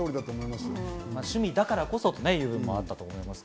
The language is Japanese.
趣味だからこそというのもあったと思います。